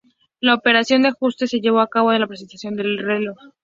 La operación de ajuste se llevó a cabo en presencia del reo.